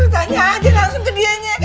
tanya aja langsung ke dianya